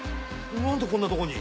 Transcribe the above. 何でこんなとこに？